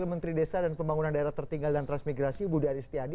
wakil menteri desa dan pembangunan daerah tertinggal dan transmigrasi budi aris tjandi